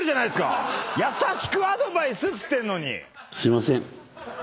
すいません。